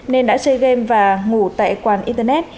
nên đã chơi game và ngủ tại quán internet